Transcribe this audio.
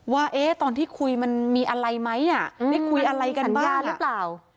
ว่าตอนที่คุยมันมีอะไรไหมคุยอะไรกันบ้างมันมีสัญญาหรือเปล่า